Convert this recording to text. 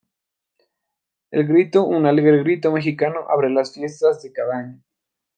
El grito, un alegre grito mexicano-abre las fiestas de cada año.